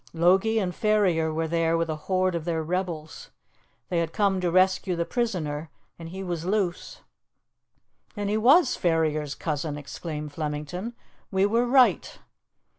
Logie and Ferrier were there with a horde of their rebels. They had come to rescue the prisoner, and he was loose." "Then he was Ferrier's cousin!" exclaimed Flemington. "We were right."